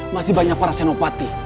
masih banyak para senopati